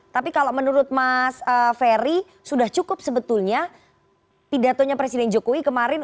tapi kalau menurut mas ferry sudah cukup sebetulnya pidatonya presiden jokowi kemarin